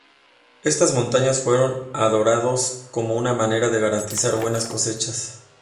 Estas montañas fueron adorados como una manera de garantizar buenas cosechas.